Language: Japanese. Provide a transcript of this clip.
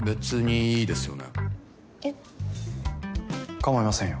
かまいませんよ。